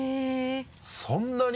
そんなに？